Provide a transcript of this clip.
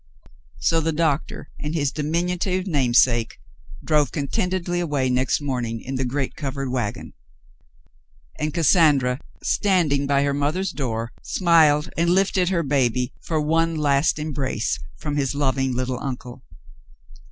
So the doctor and his diminutive namesake drove con tentedly away next morning in the great covered wagon, and Cassandra, standing by her mother's door, smiled and lifted her baby for one last embrace from his loving little uncle.